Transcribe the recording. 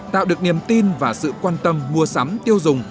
tạo được niềm tin và sự quan tâm mua sắm tiêu dùng